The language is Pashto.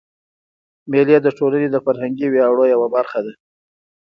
مېلې د ټولني د فرهنګي ویاړو یوه برخه ده.